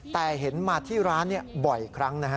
แต่เห็นมาที่ร้านบ่อยครั้งนะฮะ